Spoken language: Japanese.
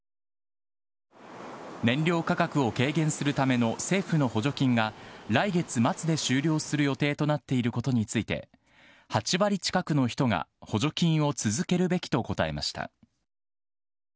燃料価格を軽減するための政府の補助金が来月末で終了する予定となっていることについて、８割近くの人が、補助金を続けるべきと答えました。